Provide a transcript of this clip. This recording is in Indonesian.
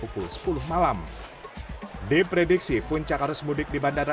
kemudian diperkirakan untuk penumpang tertinggi pada h tiga dan h empat